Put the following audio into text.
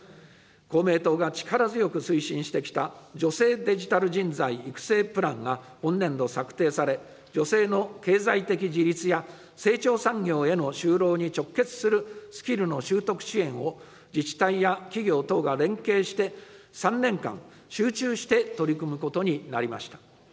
公明党が力強く推進してきた女性デジタル人材育成プランが本年度策定され、女性の経済的自立や、成長産業への就労に直結するスキルの習得支援を自治体や企業等が連携して、３年間、集中して取り組むことになりました。